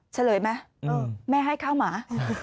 เฉลยไหมแม่ให้ข้าวหมา